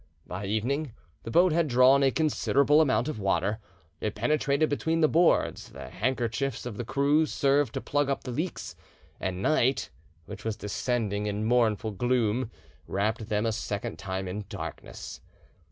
By evening the boat had drawn a considerable amount of water, it penetrated between the boards, the handkerchiefs of the crew served to plug up the leaks, and night, which was descending in mournful gloom, wrapped them a second time in darkness.